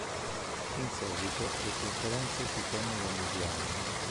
In seguito le conferenze si tennero ogni due anni.